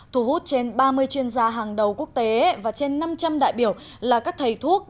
thu hút trên ba mươi chuyên gia hàng đầu quốc tế và trên năm trăm linh đại biểu là các thầy thuốc